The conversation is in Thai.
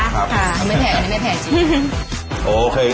ไม่แพงไม่แพงจริง